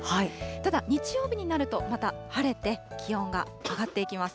ただ、日曜日になるとまた晴れて、気温が上がっていきます。